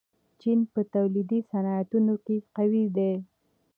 چین په تولیدي صنعتونو کې قوي دی.